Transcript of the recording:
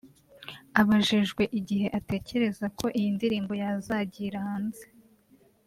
Abajijwe igihe atekereza ko iyi ndirimbo yazagira hanze